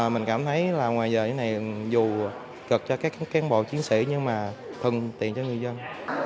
mình cảm thấy là ngoài giờ như thế này dù cực cho các can bộ chiến sĩ nhưng mà thuận tiện cho người dân